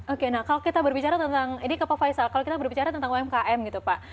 oke nah kalau kita berbicara tentang ini ke pak faisal kalau kita berbicara tentang umkm gitu pak